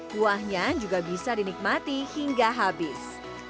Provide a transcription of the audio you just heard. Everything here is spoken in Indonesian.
kuahnya juga bisa dinikmati hingga habis